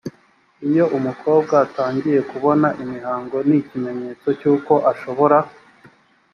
iyo umukobwa atangiye kubona imihango ni ikimenyetso cy’uko ashobora